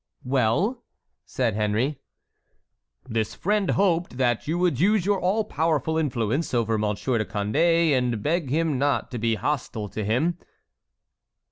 "Well?" said Henry. "This friend hoped that you would use your all powerful influence over Monsieur de Condé and beg him not to be hostile to him."